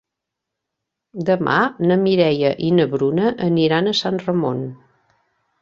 Demà na Mireia i na Bruna aniran a Sant Ramon.